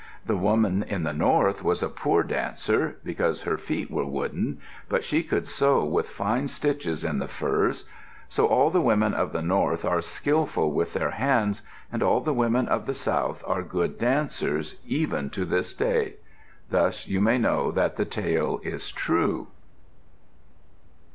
The woman in the north was a poor dancer, because her feet were wooden, but she could sew with fine stitches in the furs. So all the women of the north are skilful with their hands, and all the women of the south are good dancers, even to this day. Thus you may know that the tale is true.